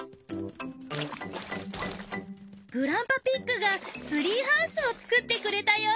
グランパピッグがツリーハウスを作ってくれたよ。